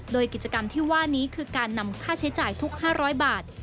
โดยกิจกรรมที่ว่านี้คือการนำค่าใช้จ่ายทุก๕๐๐บาท